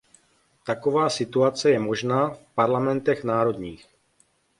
Taková situace je možná v parlamentech národních.